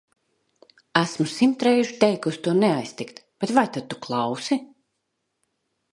Esmu simt reižu teikusi to neaiztikt, bet vai tad tu klausi?